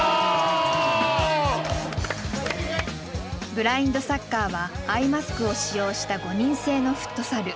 ブラインドサッカーはアイマスクを使用した５人制のフットサル。